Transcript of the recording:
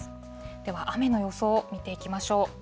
では雨の予想を見ていきましょう。